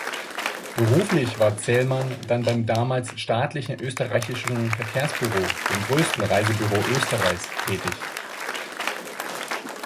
Beruflich war Zelman dann beim damals staatlichen Österreichischen Verkehrsbüro, dem größten Reisebüro Österreichs, tätig.